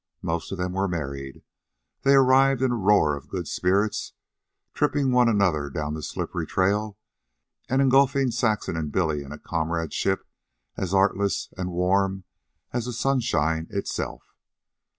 Most of them were married. They arrived in a roar of good spirits, tripping one another down the slippery trail and engulfing Saxon and Billy in a comradeship as artless and warm as the sunshine itself.